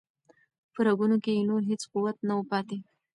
په رګونو کې یې نور هیڅ قوت نه و پاتې.